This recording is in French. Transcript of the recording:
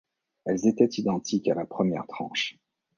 Elles étaient identiques à la première tranche.